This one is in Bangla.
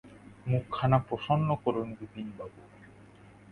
মুখখানা প্রসন্ন করুন বিপিনবাবু!